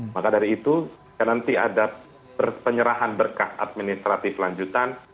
maka dari itu nanti ada penyerahan berkah administratif lanjutan